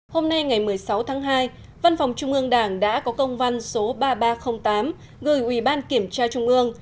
hôm nay ngày một mươi sáu tháng hai văn phòng trung ương đảng đã có công văn số ba nghìn ba trăm linh tám gửi ủy ban kiểm tra trung ương